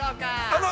あの。